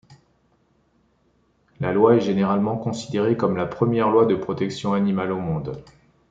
Le loi est généralement considérée comme la première loi de protection animale au monde.